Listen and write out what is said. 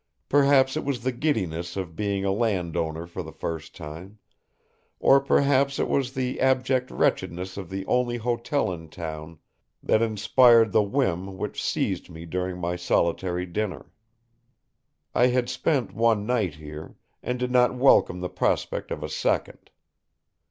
Perhaps it was the giddiness of being a land owner for the first time, or perhaps it was the abject wretchedness of the only hotel in town that inspired the whim which seized me during my solitary dinner. I had spent one night here, and did not welcome the prospect of a second.